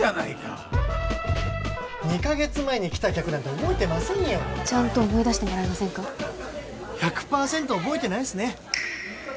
２カ月前に来た客なんて覚えてませんよちゃんと思い出してもらえませんか１００パーセント覚えてないですね